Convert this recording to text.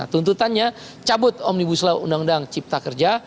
tuntutannya cabut omnibus law undang undang cipta kerja